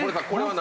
何？